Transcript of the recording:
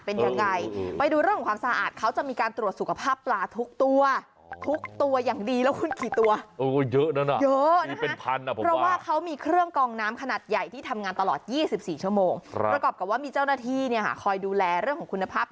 เพราะว่าเค้ามีเครื่องกองน้ำขนาดใหญ่ที่ทำงานตลอด๒๔ชั่วโมง